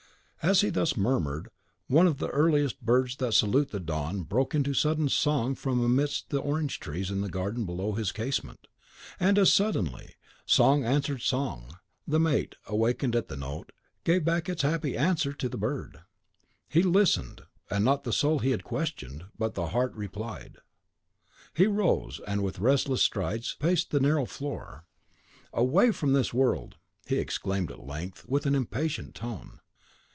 As he thus murmured, one of the earliest birds that salute the dawn broke into sudden song from amidst the orange trees in the garden below his casement; and as suddenly, song answered song; the mate, awakened at the note, gave back its happy answer to the bird. He listened; and not the soul he had questioned, but the heart replied. He rose, and with restless strides paced the narrow floor. "Away from this world!" he exclaimed at length, with an impatient tone.